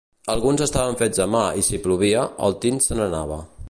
Alguns estaven fets a mà i si plovia, el tint se n'anava.